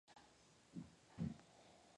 Su principal base es el Aeropuerto de Pescara.